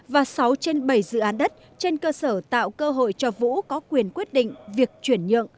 và sáu trên bảy dự án đất trên cơ sở tạo cơ hội cho vũ có quyền quyết định việc chuyển nhượng